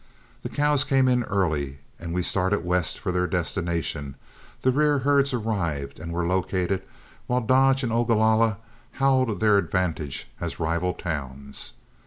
The cows came in early and were started west for their destination, the rear herds arrived and were located, while Dodge and Ogalalla howled their advantages as rival trail towns.